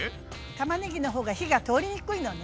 たまねぎの方が火が通りにくいのね。